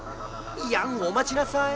いやんおまちなさい。